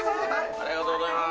ありがとうございます。